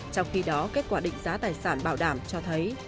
trong khi đó kết quả định giá tài sản bảo đảm cho thấy